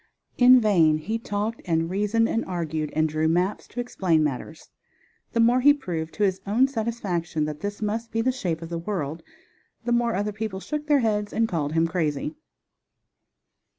In vain he talked and reasoned and argued, and drew maps to explain matters. The more he proved to his own satisfaction that this must be the shape of the world, the more other people shook their heads and called him crazy.